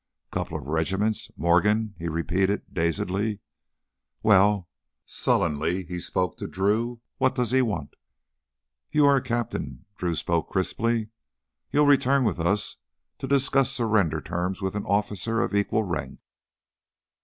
"Couple of regiments ... Morgan ..." he repeated dazedly. "Well," sullenly he spoke to Drew, "what does he want?" "You're a captain," Drew spoke crisply. "You'll return with us to discuss surrender terms with an officer of equal rank!"